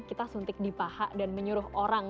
kita suntik di paha dan menyuruh orang